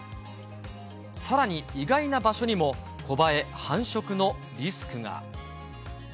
さらに、意外な場所にも、コバエ繁殖のリスクが。